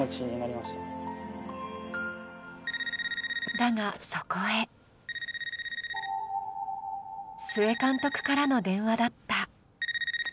だが、そこへ須江監督からの電話だった。